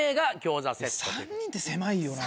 ３人って狭いよな。